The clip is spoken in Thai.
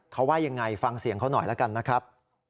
เขาว่ายังไงฟังเสียงเขาหน่อยแล้วกันนะครับ